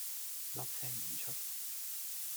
粒聲唔出